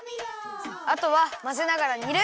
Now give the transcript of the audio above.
あとはまぜながらにる！